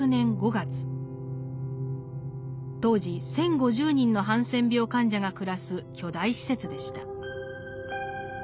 当時１，０５０人のハンセン病患者が暮らす巨大施設でした。